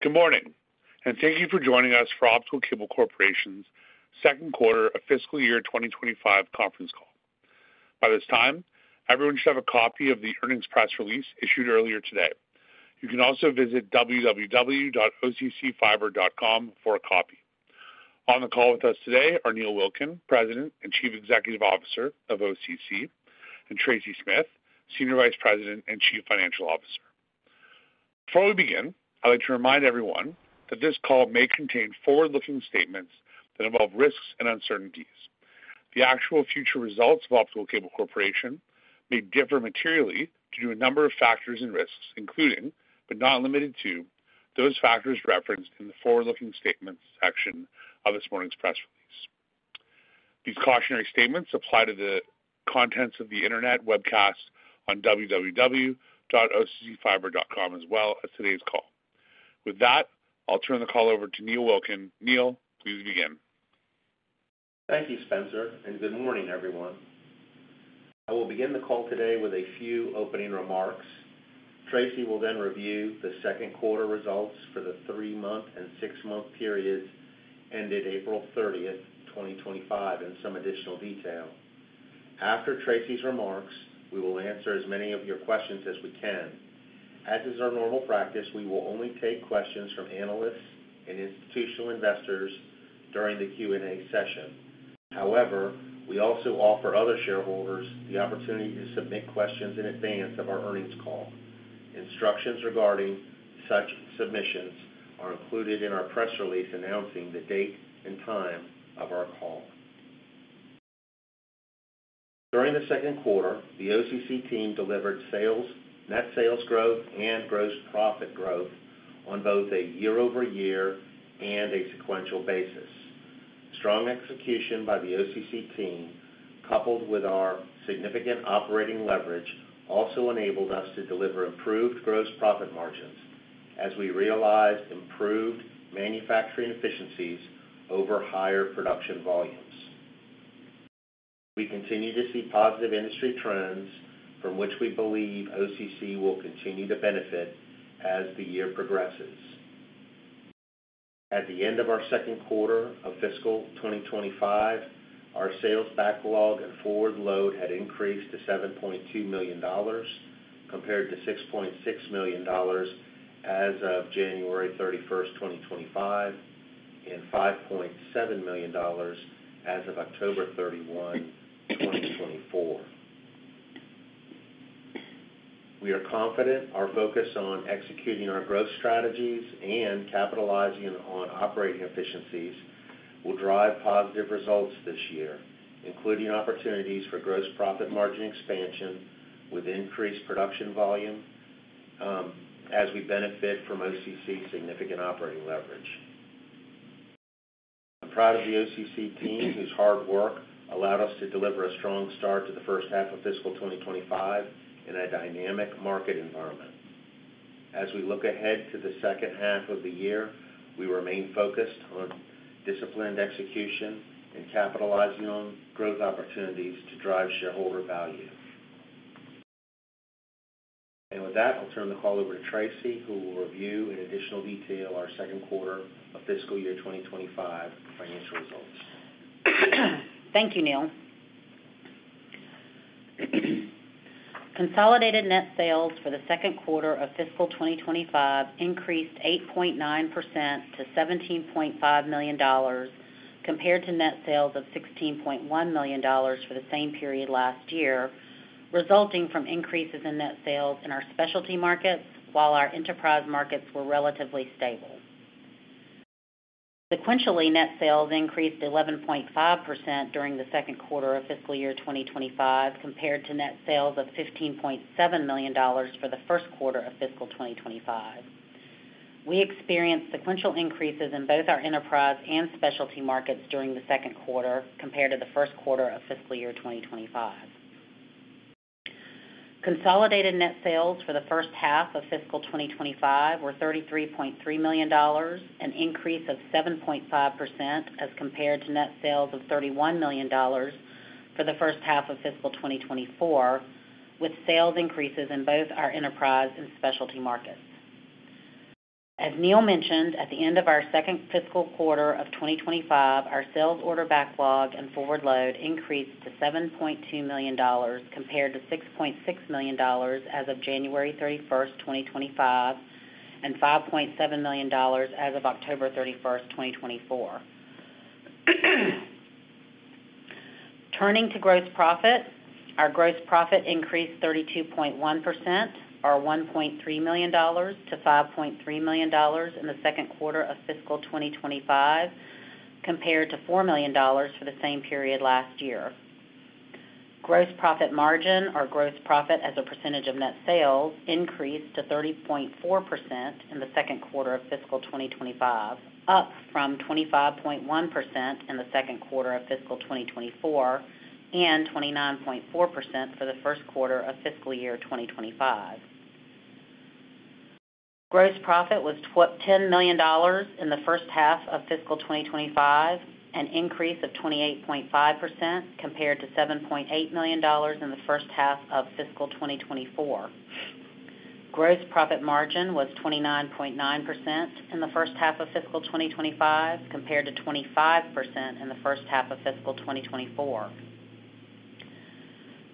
Good morning, and thank you for joining us for Optical Cable Corporation's second quarter of fiscal year 2025 conference call. By this time, everyone should have a copy of the earnings press release issued earlier today. You can also visit www.occfiber.com for a copy. On the call with us today are Neil Wilkin, President and Chief Executive Officer of OCC, and Tracy Smith, Senior Vice President and Chief Financial Officer. Before we begin, I'd like to remind everyone that this call may contain forward-looking statements that involve risks and uncertainties. The actual future results of Optical Cable Corporation may differ materially due to a number of factors and risks, including, but not limited to, those factors referenced in the forward-looking statements section of this morning's press release. These cautionary statements apply to the contents of the internet webcast on www.occfiber.com as well as today's call. With that, I'll turn the call over to Neil Wilkin. Neil, please begin. Thank you, Spencer, and good morning, everyone. I will begin the call today with a few opening remarks. Tracy will then review the second quarter results for the three-month and six-month periods ended April 30th, 2025, and some additional detail. After Tracy's remarks, we will answer as many of your questions as we can. As is our normal practice, we will only take questions from analysts and institutional investors during the Q&A session. However, we also offer other shareholders the opportunity to submit questions in advance of our earnings call. Instructions regarding such submissions are included in our press release announcing the date and time of our call. During the second quarter, the OCC team delivered net sales growth and gross profit growth on both a year-over-year and a sequential basis. Strong execution by the OCC team, coupled with our significant operating leverage, also enabled us to deliver improved gross profit margins as we realized improved manufacturing efficiencies over higher production volumes. We continue to see positive industry trends from which we believe OCC will continue to benefit as the year progresses. At the end of our second quarter of fiscal year 2025, our sales backlog and forward load had increased to $7.2 million compared to $6.6 million as of January 31st, 2025, and $5.7 million as of October 31, 2024. We are confident our focus on executing our growth strategies and capitalizing on operating efficiencies will drive positive results this year, including opportunities for gross profit margin expansion with increased production volume as we benefit from OCC's significant operating leverage. I'm proud of the OCC team whose hard work allowed us to deliver a strong *t to the first half of fiscal year 2025 in a dynamic market environment. As we look ahead to the second half of the year, we remain focused on disciplined execution and capitalizing on growth opportunities to drive shareholder value. I'll turn the call over to Tracy, who will review in additional detail our second quarter of fiscal year 2025 financial results. Thank you, Neil. Consolidated net sales for the second quarter of fiscal year 2025 increased 8.9% to $17.5 million compared to net sales of $16.1 million for the same period last year, resulting from increases in net sales in our specialty markets while our enterprise markets were relatively stable. Sequentially, net sales increased 11.5% during the second quarter of fiscal year 2025 compared to net sales of $15.7 million for the first quarter of fiscal year 2025. We experienced sequential increases in both our enterprise and specialty markets during the second quarter compared to the first quarter of fiscal year 2025. Consolidated net sales for the first half of fiscal year 2025 were $33.3 million, an increase of 7.5% as compared to net sales of $31 million for the first half of fiscal year 2024, with sales increases in both our enterprise and specialty markets. As Neil mentioned, at the end of our second fiscal quarter of 2025, our sales order backlog and forward load increased to $7.2 million compared to $6.6 million as of January 31st, 2025, and $5.7 million as of October 31st, 2024. Turning to gross profit, our gross profit increased 32.1%, or $1.3 million, to $5.3 million in the second quarter of fiscal year 2025 compared to $4 million for the same period last year. Gross profit margin, or gross profit as a percentage of net sales, increased to 30.4% in the second quarter of fiscal year 2025, up from 25.1% in the second quarter of fiscal year 2024 and 29.4% for the first quarter of fiscal year 2025. Gross profit was $10 million in the first half of fiscal year 2025, an increase of 28.5% compared to $7.8 million in the first half of fiscal year 2024. Gross profit margin was 29.9% in the first half of fiscal year 2025 compared to 25% in the first half of fiscal year 2024.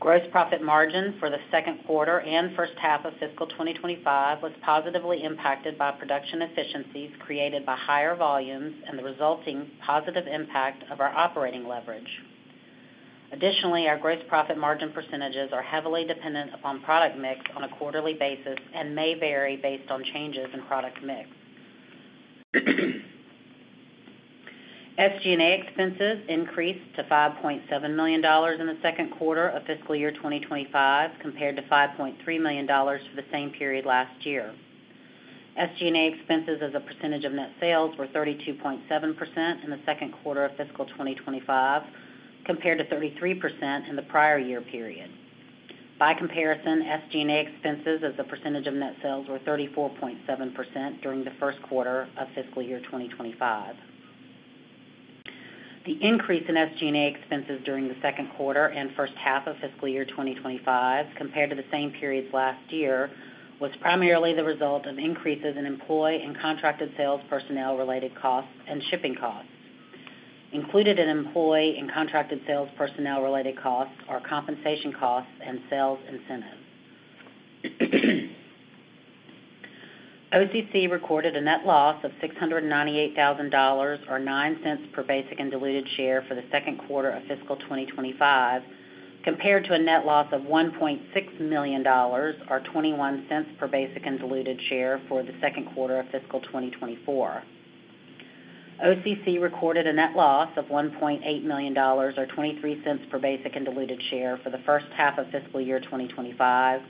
Gross profit margin for the second quarter and first half of fiscal year 2025 was positively impacted by production efficiencies created by higher volumes and the resulting positive impact of our operating leverage. Additionally, our gross profit margin percentages are heavily dependent upon product mix on a quarterly basis and may vary based on changes in product mix. SG&A expenses increased to $5.7 million in the second quarter of fiscal year 2025 compared to $5.3 million for the same period last year. SG&A expenses as a percentage of net sales were 32.7% in the second quarter of fiscal year 2025 compared to 33% in the prior year period. By comparison, SG&A expenses as a percentage of net sales were 34.7% during the first quarter of fiscal year 2025. The increase in SG&A expenses during the second quarter and first half of fiscal year 2025 compared to the same period last year was primarily the result of increases in employee and contracted sales personnel-related costs and shipping costs. Included in employee and contracted sales personnel-related costs are compensation costs and sales incentives. OCC recorded a net loss of $698,000 or $0.09 per basic and diluted share for the second quarter of fiscal year 2025 compared to a net loss of $1.6 million or $0.21 per basic and diluted share for the second quarter of fiscal year 2024. OCC recorded a net loss of $1.8 million or $0.23 per basic and diluted share for the first half of fiscal year 2025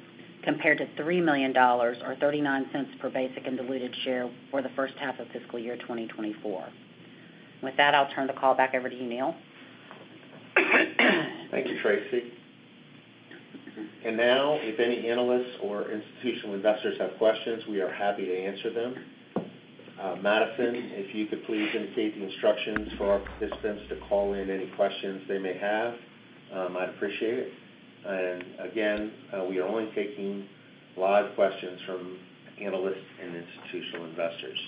compared to $3 million or $0.39 per basic and diluted share for the first half of fiscal year 2024. With that, I'll turn the call back over to you, Neil. Thank you, Tracy. Now, if any analysts or institutional investors have questions, we are happy to answer them. Madison, if you could please indicate the instructions for our participants to call in any questions they may have. I'd appreciate it. Again, we are only taking live questions from analysts and institutional investors.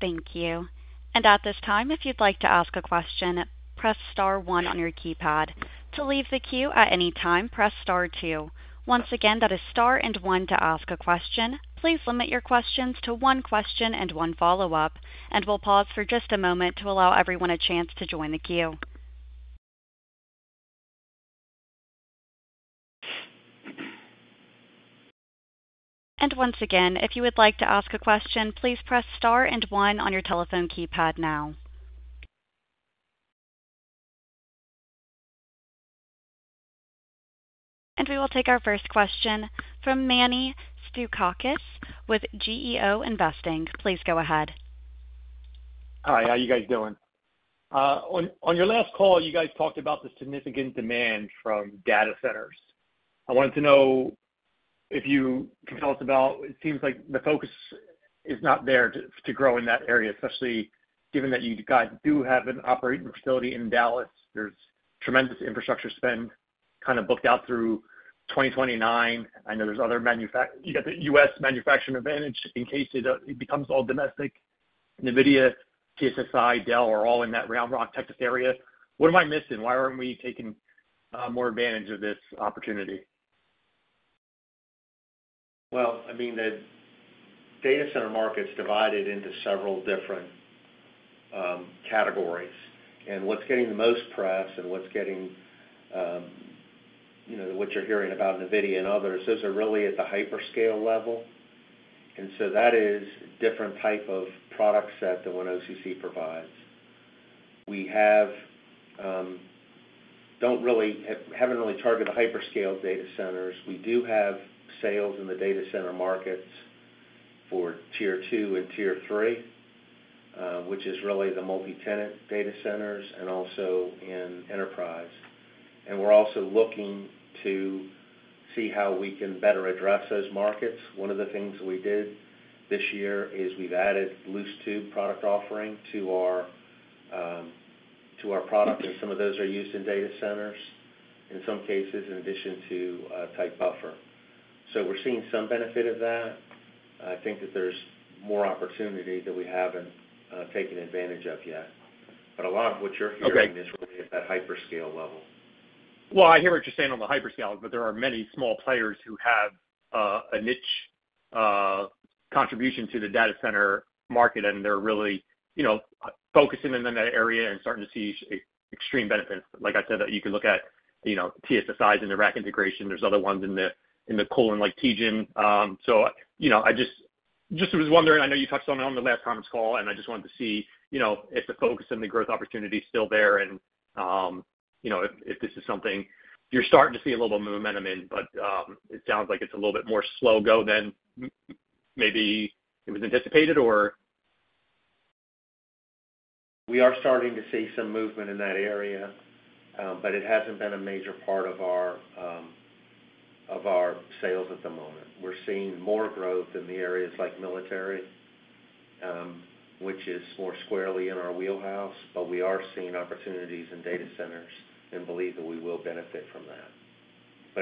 Thank you. At this time, if you'd like to ask a question, press * 1 on your keypad. To leave the queue at any time, press * 2. Once again, that is * and 1 to ask a question. Please limit your questions to one question and one follow-up. We'll pause for just a moment to allow everyone a chance to join the queue. Once again, if you would like to ask a question, please press * and 1 on your telephone keypad now. We will take our first question from Manny Stoupakis with GEO Investing. Please go ahead. Hi, how are you guys doing? On your last call, you guys talked about the significant demand from data centers. I wanted to know if you could tell us about, it seems like the focus is not there to grow in that area, especially given that you guys do have an operating facility in Dallas. There's tremendous infrastructure spend kind of booked out through 2029. I know there's other manufacturers. You got the U.S. manufacturing advantage in case it becomes all domestic. NVIDIA, TSSI, Dell are all in that Round Rock, Texas area. What am I missing? Why aren't we taking more advantage of this opportunity? I mean, the data center market's divided into several different categories. What's getting the most press and what you're hearing about NVIDIA and others, those are really at the hyperscale level. That is a different type of product set than what OCC provides. We haven't really targeted the hyperscale data centers. We do have sales in the data center markets for tier two and tier three, which is really the multi-tenant data centers and also in enterprise. We're also looking to see how we can better address those markets. One of the things we did this year is we've added loose tube product offering to our product, and some of those are used in data centers in some cases in addition to a tight buffer. We're seeing some benefit of that. I think that there's more opportunity that we haven't taken advantage of yet. A lot of what you're hearing is really at that hyperscale level. I hear what you're saying on the hyperscale, but there are many small players who have a niche contribution to the data center market, and they're really focusing in that area and starting to see extreme benefits. Like I said, you can look at TSSI in their rack integration. There are other ones in the cooling like TGEN. I just was wondering, I know you touched on it on the last conference call, and I just wanted to see if the focus and the growth opportunity is still there and if this is something you're starting to see a little bit of momentum in, but it sounds like it's a little bit more slow-go than maybe it was anticipated, or? We are starting to see some movement in that area, but it hasn't been a major part of our sales at the moment. We're seeing more growth in the areas like military, which is more squarely in our wheelhouse, but we are seeing opportunities in data centers and believe that we will benefit from that.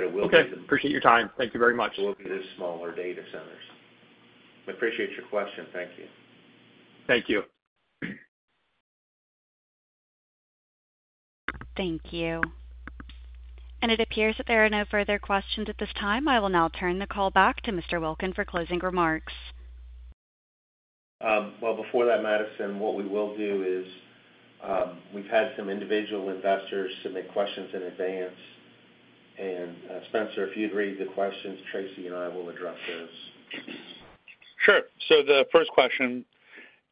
It will be. Okay. Appreciate your time. Thank you very much. It will be the smaller data centers. I appreciate your question. Thank you. Thank you. Thank you. It appears that there are no further questions at this time. I will now turn the call back to Mr. Wilkin for closing remarks. Before that, Madison, what we will do is we've had some individual investors submit questions in advance. Spencer, if you'd read the questions, Tracy and I will address those. Sure. The first question,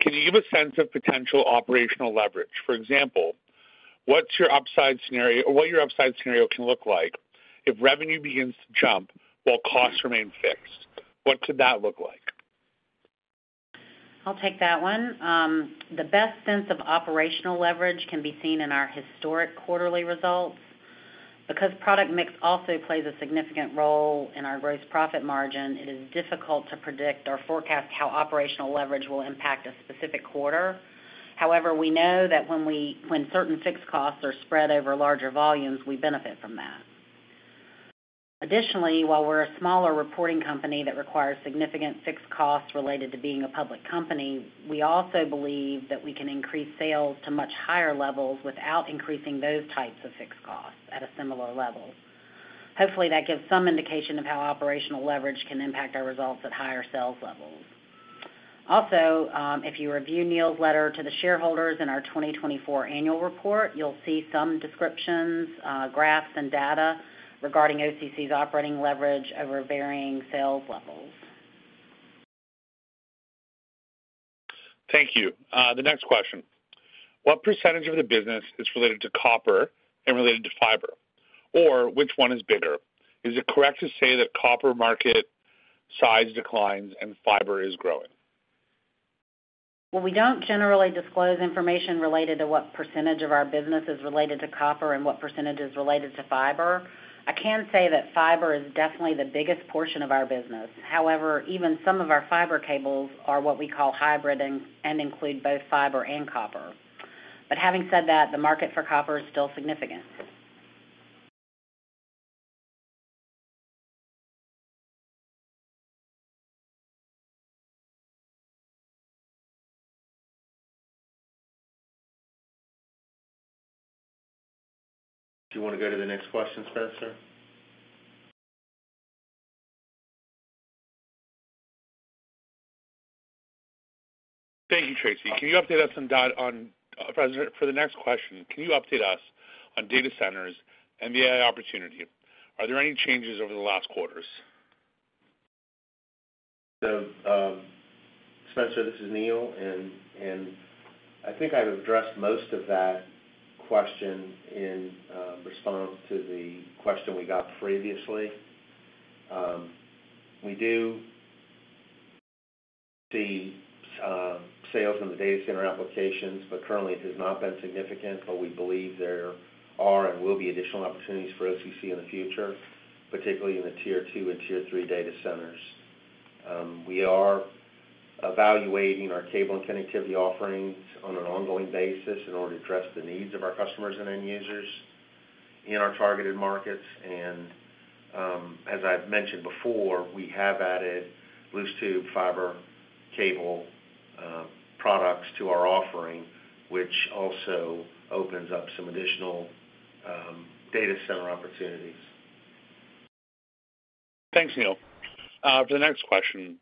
can you give a sense of potential operating leverage? For example, what's your upside scenario or what your upside scenario can look like if revenue begins to jump while costs remain fixed? What could that look like? I'll take that one. The best sense of operational leverage can be seen in our historic quarterly results. Because product mix also plays a significant role in our gross profit margin, it is difficult to predict or forecast how operational leverage will impact a specific quarter. However, we know that when certain fixed costs are spread over larger volumes, we benefit from that. Additionally, while we're a smaller reporting company that requires significant fixed costs related to being a public company, we also believe that we can increase sales to much higher levels without increasing those types of fixed costs at a similar level. Hopefully, that gives some indication of how operational leverage can impact our results at higher sales levels. Also, if you review Neil's letter to the shareholders in our 2024 annual report, you'll see some descriptions, graphs, and data regarding OCC's operating leverage over varying sales levels. Thank you. The next question. What percentage of the business is related to copper and related to fiber, or which one is bigger? Is it correct to say that copper market size declines and fiber is growing? We do not generally disclose information related to what percentage of our business is related to copper and what percentage is related to fiber. I can say that fiber is definitely the biggest portion of our business. However, even some of our fiber cables are what we call hybrid and include both fiber and copper. Having said that, the market for copper is still significant. Do you want to go to the next question, Spencer? Thank you, Tracy. Can you update us on, for the next question, can you update us on data centers and the AI opportunity? Are there any changes over the last quarters? Spencer, this is Neil. I think I've addressed most of that question in response to the question we got previously. We do see sales in the data center applications, but currently, it has not been significant. We believe there are and will be additional opportunities for OCC in the future, particularly in the tier two and tier three data centers. We are evaluating our cable and connectivity offerings on an ongoing basis in order to address the needs of our customers and end users in our targeted markets. As I've mentioned before, we have added loose tube fiber cable products to our offering, which also opens up some additional data center opportunities. Thanks, Neil. The next question.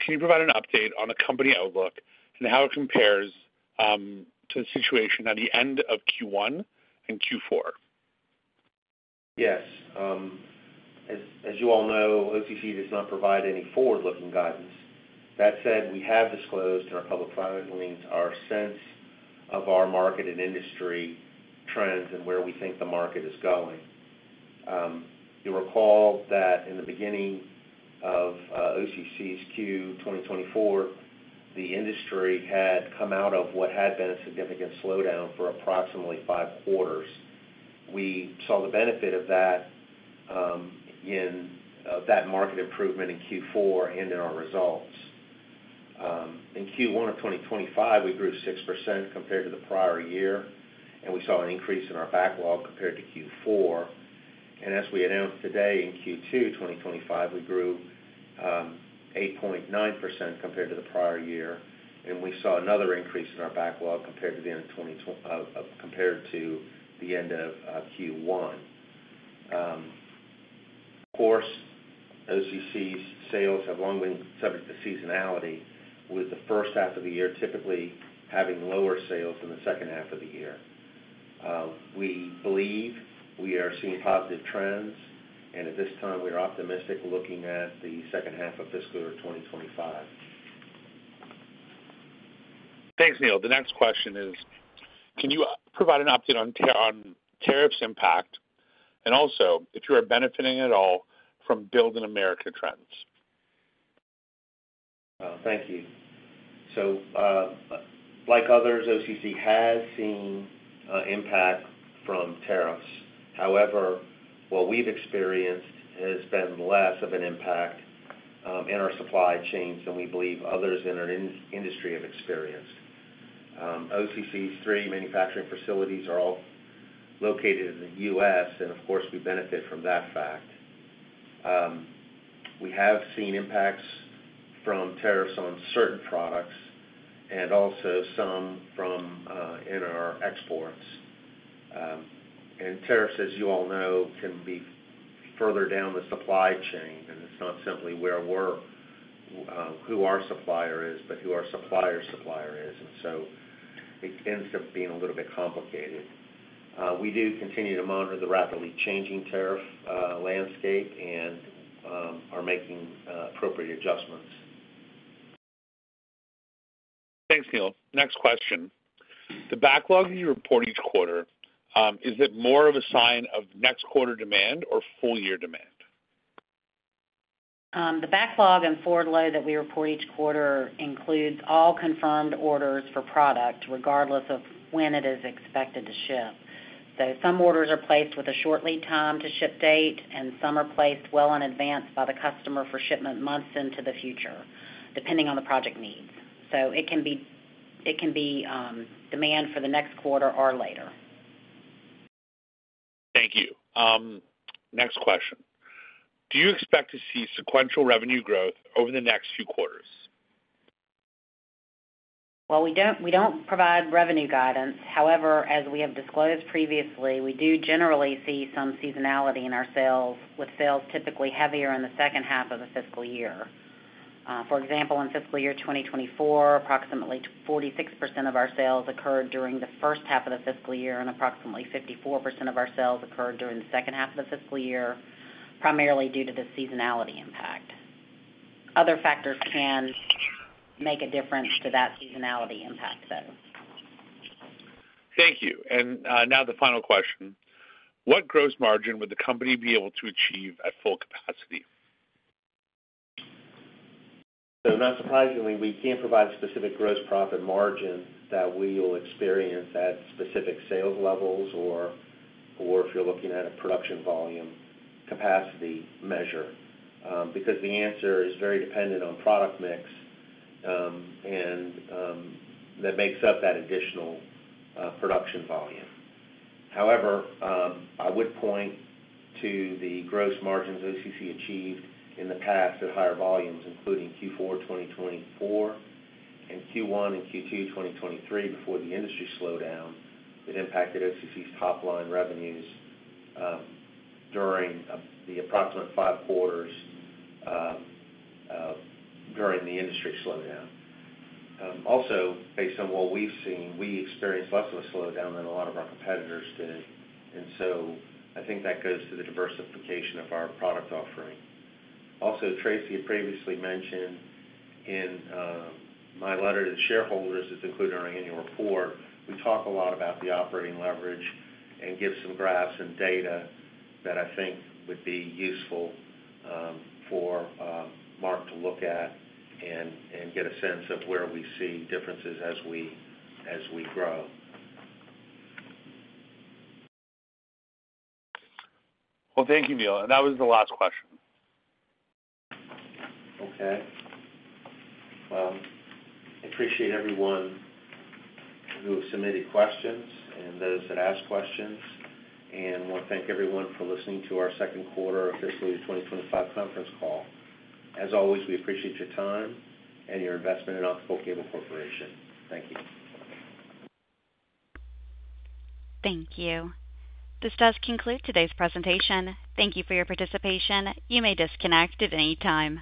Can you provide an update on a company outlook and how it compares to the situation at the end of Q1 and Q4? Yes. As you all know, OCC does not provide any forward-looking guidance. That said, we have disclosed in our public filings our sense of our market and industry trends and where we think the market is going. You'll recall that in the beginning of OCC's Q2 2024, the industry had come out of what had been a significant slowdown for approximately five quarters. We saw the benefit of that market improvement in Q4 and in our results. In Q1 of 2025, we grew 6% compared to the prior year, and we saw an increase in our backlog compared to Q4. As we announced today in Q2 2025, we grew 8.9% compared to the prior year, and we saw another increase in our backlog compared to the end of Q1. Of course, OCC's sales have long been subject to seasonality, with the first half of the year typically having lower sales than the second half of the year. We believe we are seeing positive trends, and at this time, we are optimistic looking at the second half of fiscal year 2025. Thanks, Neil. The next question is, can you provide an update on tariffs impact and also if you are benefiting at all from Build in America trends? Thank you. Like others, OCC has seen impact from tariffs. However, what we've experienced has been less of an impact in our supply chains than we believe others in our industry have experienced. OCC's three manufacturing facilities are all located in the U.S., and of course, we benefit from that fact. We have seen impacts from tariffs on certain products and also some from our exports. Tariffs, as you all know, can be further down the supply chain, and it's not simply who our supplier is, but who our supplier's supplier is. It ends up being a little bit complicated. We do continue to monitor the rapidly changing tariff landscape and are making appropriate adjustments. Thanks, Neil. Next question. The backlog that you report each quarter, is it more of a sign of next quarter demand or full-year demand? The backlog and forward load that we report each quarter includes all confirmed orders for product, regardless of when it is expected to ship. Some orders are placed with a short lead time to ship date, and some are placed well in advance by the customer for shipment months into the future, depending on the project needs. It can be demand for the next quarter or later. Thank you. Next question. Do you expect to see sequential revenue growth over the next few quarters? We do not provide revenue guidance. However, as we have disclosed previously, we do generally see some seasonality in our sales, with sales typically heavier in the second half of the fiscal year. For example, in fiscal year 2024, approximately 46% of our sales occurred during the first half of the fiscal year, and approximately 54% of our sales occurred during the second half of the fiscal year, primarily due to the seasonality impact. Other factors can make a difference to that seasonality impact, though. Thank you. Now the final question. What gross margin would the company be able to achieve at full capacity? Not surprisingly, we can't provide a specific gross profit margin that we will experience at specific sales levels or if you're looking at a production volume capacity measure, because the answer is very dependent on product mix, and that makes up that additional production volume. However, I would point to the gross margins OCC achieved in the past at higher volumes, including Q4 2024 and Q1 and Q2 2023 before the industry slowed down. It impacted OCC's top-line revenues during the approximate five quarters during the industry slowdown. Also, based on what we've seen, we experienced less of a slowdown than a lot of our competitors did. I think that goes to the diversification of our product offering. Also, Tracy had previously mentioned in my letter to the shareholders, it's included in our annual report. We talk a lot about the operating leverage and give some graphs and data that I think would be useful for Mark to look at and get a sense of where we see differences as we grow. Thank you, Neil. That was the last question. Okay. I appreciate everyone who submitted questions and those that asked questions. I want to thank everyone for listening to our second quarter of fiscal year 2025 conference call. As always, we appreciate your time and your investment in Optical Cable Corporation. Thank you. Thank you. This does conclude today's presentation. Thank you for your participation. You may disconnect at any time.